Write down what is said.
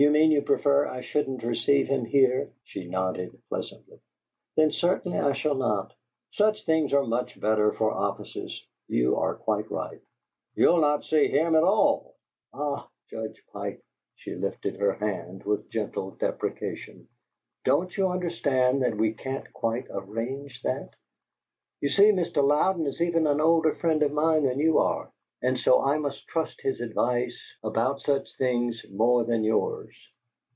"You mean you prefer I shouldn't receive him here?" She nodded pleasantly. "Then certainly I shall not. Such things are much better for offices; you are quite right." "You'll not see him at all!" "Ah, Judge Pike," she lifted her hand with gentle deprecation, "don't you understand that we can't quite arrange that? You see, Mr. Louden is even an older friend of mine than you are, and so I must trust his advice about such things more than yours.